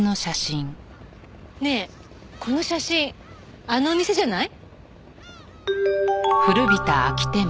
ねえこの写真あの店じゃない？